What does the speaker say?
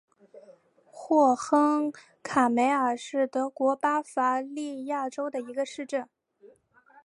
霍亨卡梅尔是德国巴伐利亚州的一个市镇。